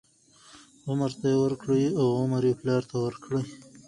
عمر ته یې ورکړې او عمر یې پلار ته ورکړې،